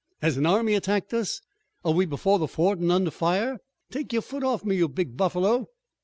Has an army attacked us?" "Are we before the fort and under fire?" "Take your foot off me, you big buffalo!"